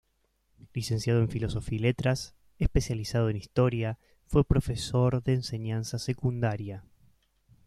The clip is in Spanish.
Licenciado en Filosofía y Letras, especializado en Historia, fue profesor de enseñanza secundaria.